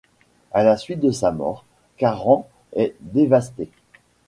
À la suite de sa mort, Karan est dévasté.